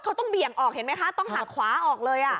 เขาต้องเบี่ยงออกเห็นไหมคะต้องหักขวาออกเลย